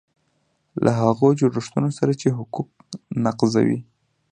له هغو جوړښتونو سره چې حقوق نقضوي.